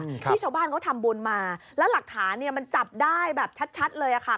ที่ชาวบ้านเขาทำบุญมาแล้วหลักฐานมันจับได้แบบชัดเลยค่ะ